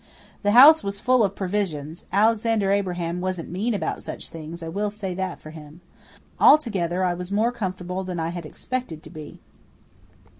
The house was full of provisions Alexander Abraham wasn't mean about such things, I will say that for him. Altogether, I was more comfortable than I had expected to be.